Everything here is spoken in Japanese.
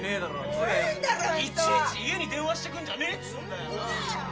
つうかよいちいち家に電話してくんじゃねえっつうんだよな。